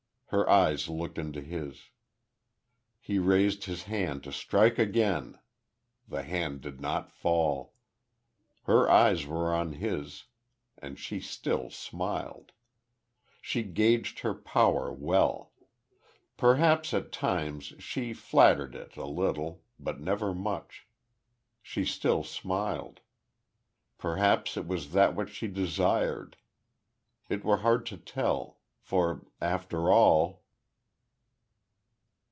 Her eyes looked into his. He raised his hand to strike again.... The hand did not fall.... Her eyes were on his; and she still smiled.... She gauged her power well. Perhaps, at times, she flattered it, a little but never much.... She still smiled.... Perhaps, it was that which she desired. It were hard to tell. For, after all....